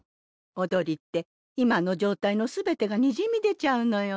踊りって今の状態の全てがにじみ出ちゃうのよ。